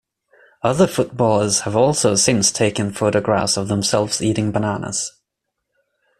Other footballers have also since taken photographs of themselves eating bananas.